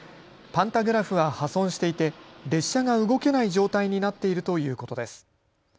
パンタグラフは破損していて列車が動けない状態になっているということです。